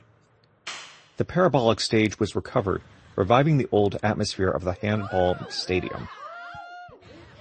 The parabolic stage was recovered, reviving the old atmosphere of the Handball Stadium.